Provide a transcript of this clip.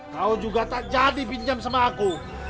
kau juga tak jadi pinjam sama aku